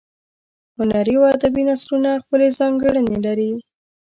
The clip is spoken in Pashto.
هنري او ادبي نثرونه خپلې ځانګړنې لري.